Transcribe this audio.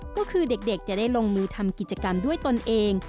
ก็คือเด็กจะได้ลงมือทำกิจกรรมด้วยตนเอง